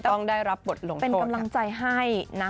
ต้องได้รับบทลงเป็นกำลังใจให้นะ